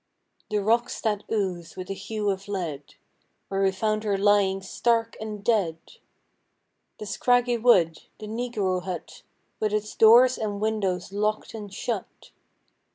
The rocks that ooze with the hue of lead, Where we found her lying stark and dead. The scraggy wood; the negro hut, With its doors and windows locked and shut.